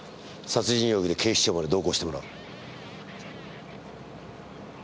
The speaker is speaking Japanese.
殺人容疑で警視庁まで同行してもらう。